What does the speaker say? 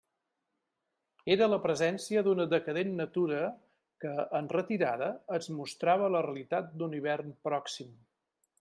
Era la presència d'una decadent natura que, en retirada, ens mostrava la realitat d'un hivern pròxim.